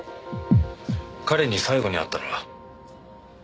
彼に最後に会ったのは？